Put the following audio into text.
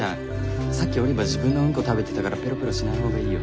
さっきオリバー自分のウンコ食べてたからペロペロしない方がいいよ。